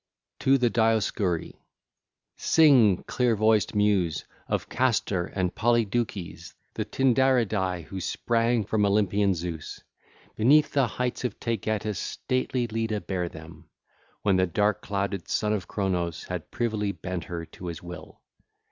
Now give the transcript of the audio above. XVII. TO THE DIOSCURI (ll. 1 4) Sing, clear voiced Muse, of Castor and Polydeuces, the Tyndaridae, who sprang from Olympian Zeus. Beneath the heights of Taygetus stately Leda bare them, when the dark clouded Son of Cronos had privily bent her to his will. (l.